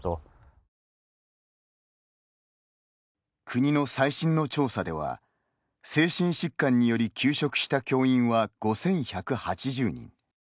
国の最新の調査では精神疾患により休職した教員は５１８０人。